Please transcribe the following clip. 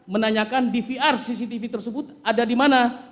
menanyakan dvr cctv tersebut ada di mana